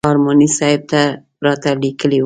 ارماني صاحب راته لیکلي و.